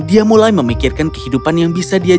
dia mulai memikirkan kehidupan yang bisa dia jalani